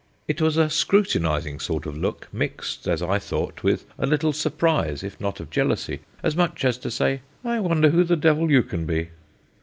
It was a scrutinising sort of look, mixed, as I thought, with a little surprise, if not of jealousy, as much as to say, 'I wonder who the devil you can be?'